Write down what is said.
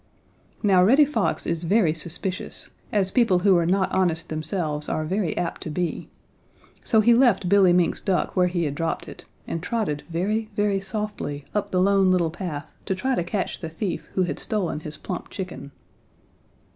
Now Reddy Fox is very suspicious, as people who are not honest themselves are very apt to be. So he left Billy Mink's duck where he had dropped it and trotted very, very softly up the Lone Little Path to try to catch the thief who had stolen his plump chicken.